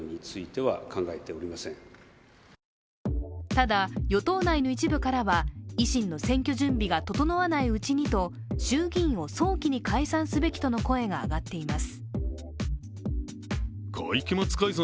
ただ、与党内の一部からは、維新の選挙準備が整わないうちにと衆議院を早期に解散すべきとの声が上がっています。